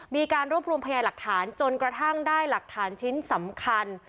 มีการรวบรวมพยาหลักฐานจนกระทั่งได้หลักฐานชิ้นสำคัญ